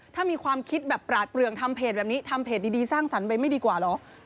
ถ้ามีความคิดแบบปราดเปลืองทำเพจแบบนี้ทำเพจดีสร้างสรรค์ไปไม่ดีกว่าเหรอ